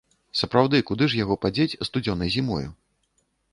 Сапраўды, куды ж яго падзець студзёнай зімою?